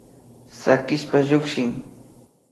Sakishpa llukshin